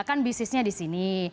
kan bisnisnya di sini